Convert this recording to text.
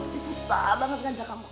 ini susah banget ngajak kamu